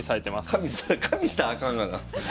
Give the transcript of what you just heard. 加味したらあかんがな。